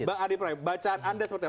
pak adi prai bacaan anda seperti apa